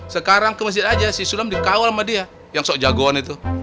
sekarang ke masjid aja si sulam dikawal sama dia yang sok jagoan itu